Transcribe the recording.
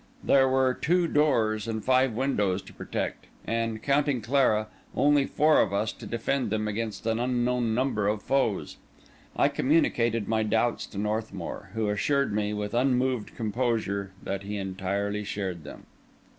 There were two doors and five windows to protect, and, counting Clara, only four of us to defend them against an unknown number of foes. I communicated my doubts to Northmour, who assured me, with unmoved composure, that he entirely shared them.